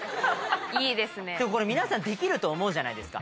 でもこれ皆さんできると思うじゃないですか。